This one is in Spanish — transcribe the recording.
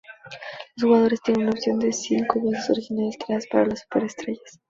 Los jugadores tienen una opción de cinco voces originales creadas para las superestrellas.